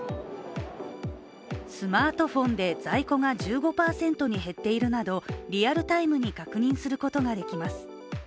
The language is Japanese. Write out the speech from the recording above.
スマートフォンで在庫が１５％に減っているなどリアルタイムに確認することができます。